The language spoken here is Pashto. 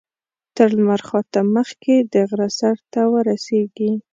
تر لمر خاته مخکې د غره سر ته ورسېږو.